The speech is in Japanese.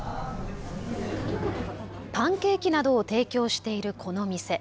パンケーキなどを提供している、この店。